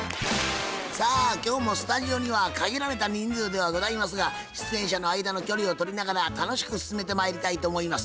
さあ今日もスタジオには限られた人数ではございますが出演者の間の距離を取りながら楽しく進めてまいりたいと思います。